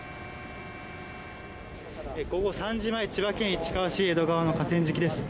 午後３時前千葉県市川市江戸川の河川敷です。